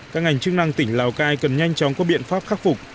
các ngành chức năng tỉnh lào cai cần nhanh chóng có biện pháp khắc phục